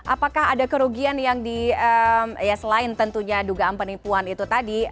apakah ada kerugian yang di ya selain tentunya dugaan penipuan itu tadi